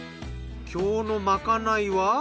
今日のまかないは。